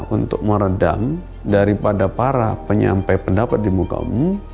untuk meredam daripada para penyampai pendapat di muka umum